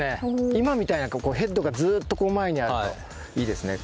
今みたいなヘッドがずっと前にあるといいですね。